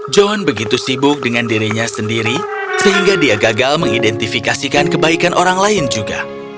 johan begitu sibuk dengan dirinya sendiri sehingga dia gagal mengidentifikasikan kebaikan orang lain juga